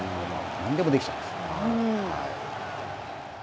何でもできちゃうんです。